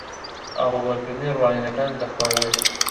ئاڵوگۆڕکردنی ڕوانینەکان دەخوازێت